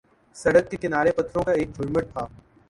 سڑک کے کنارے پتھروں کا ایک جھرمٹ تھا